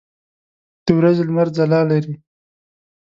د ورځې لمر ځلا لري.